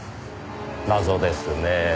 謎ですねぇ。